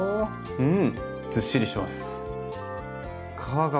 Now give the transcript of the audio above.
うん。